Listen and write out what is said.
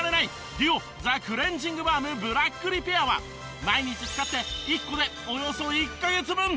ＤＵＯザクレンジングバームブラックリペアは毎日使って１個でおよそ１カ月分！